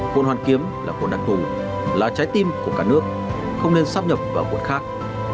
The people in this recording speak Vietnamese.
quận hoàn kiếm là quận đặc thù là trái tim của cả nước không nên sắp nhập vào quận khác